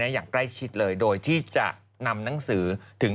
อย่างใกล้ชิดเลยโดยที่จะนำหนังสือถึง